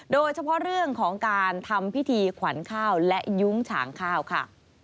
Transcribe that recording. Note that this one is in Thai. โดยเฉพาะเรื่องของการทำพิธีขวัญข้าวและยุ้งฉางข้าวค่ะ